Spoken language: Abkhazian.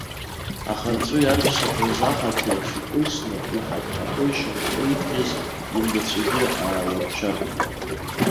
Ахырҵәы иарԥсаҳәаз аҳаҭа еиԥш икылсны иҳаҭ-ҳаҭо ишьымхы иқәтәаз имгәацәагьы аауарчарт.